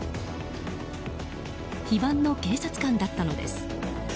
非番の警察官だったのです。